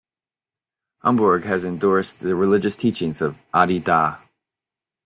Hamburg has endorsed the religious teachings of Adi Da.